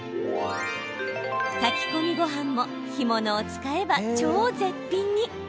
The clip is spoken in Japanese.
炊き込みごはんも干物を使えば超絶品に。